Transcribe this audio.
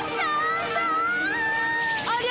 ありゃ！